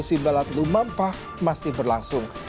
simbalat lumampah masih berlangsung